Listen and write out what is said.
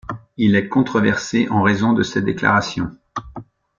Il est controversé en raison de ses déclarations.